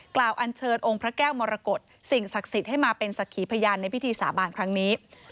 อันเชิญองค์พระแก้วมรกฏสิ่งศักดิ์สิทธิ์ให้มาเป็นสักขีพยานในพิธีสาบานครั้งนี้